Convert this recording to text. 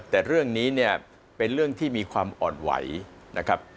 แต่เรื่องนี้เนี่ยเป็นเรื่องที่มีความอ่อนไหวนะครับ